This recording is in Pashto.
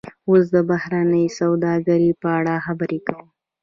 اوس د بهرنۍ سوداګرۍ په اړه خبرې کوو